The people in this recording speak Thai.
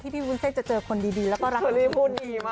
ที่พี่วุ้นเศษจะเจอคนดีแล้วก็รักเขาดี